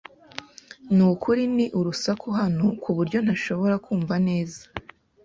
Nukuri ni urusaku hano kuburyo ntashobora kumva neza.